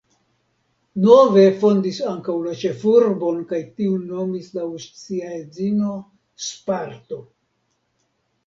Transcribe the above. Nove fondis ankaŭ la ĉefurbon kaj tiun nomis laŭ sia edzino Sparto.